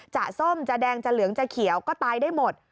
ส้มจะแดงจะเหลืองจะเขียวก็ตายได้หมด